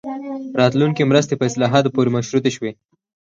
راتلونکې مرستې په اصلاحاتو پورې مشروطې شوې.